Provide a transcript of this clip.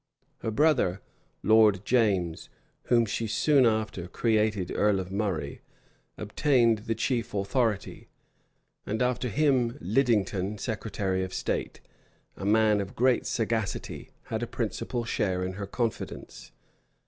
Her brother, Lord James, whom she soon after created earl of Murray, obtained the chief authority; and after him Lidington, secretary of state, a man of great sagacity, had a principal share in her confidence.